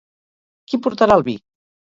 Qui portarà el vi?